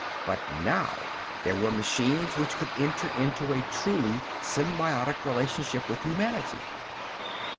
But now there were machines which could enter into a truly symbiotic relationship with humanity.